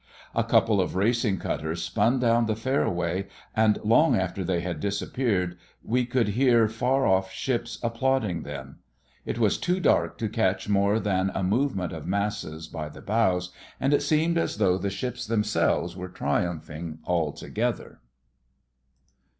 A couple of racing cutters spun down the fairway, and long after they had disappeared we could hear far off ships applauding them. It was too dark to catch more than a movement of masses by the bows, and it seemed as though the ships themselves were triumphing all together.